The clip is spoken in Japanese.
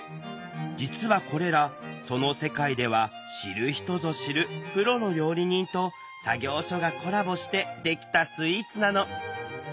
実はこれらその世界では知る人ぞ知るプロの料理人と作業所がコラボしてできたスイーツなの。